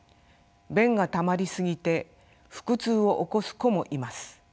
便がたまり過ぎて腹痛を起こす子もいます。